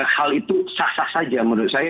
hal itu sah sah saja menurut saya